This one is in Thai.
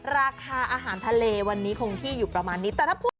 ราคาอาหารทะเลวันนี้คงที่อยู่ประมาณนี้